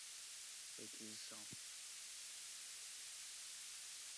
requisição